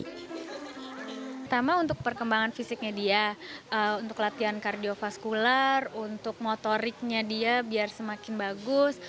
pertama untuk perkembangan fisiknya dia untuk latihan kardiofaskular untuk motoriknya dia biar semakin bagus